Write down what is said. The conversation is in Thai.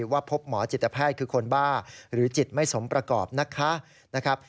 ว่าพบหมอจิตแพทย์คือคนบ้าหรือจิตไม่สมประกอบนะคะ